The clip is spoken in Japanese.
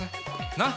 なっ。